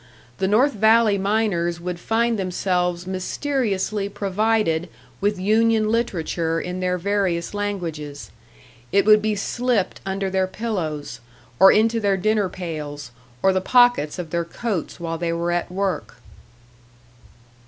The North Valley miners would find themselves mysteriously provided with union literature in their various languages; it would be slipped under their pillows, or into their dinner pails, or the pockets of their coats while they were at work.